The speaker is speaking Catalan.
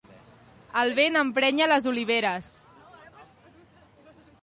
El vent emprenya les oliveres.